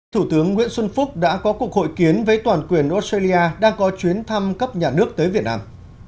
thủ tướng nguyễn xuân phúc đã có cuộc hội kiến với toàn quyền australia đang có chuyến thăm cấp nhà nước tới việt nam